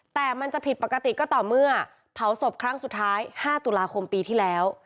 แต่มันจะผิดปกติก็ต่อเมื่อเผาศพครั้งสุดท้าย๕ตุลาคมปีที่แล้ว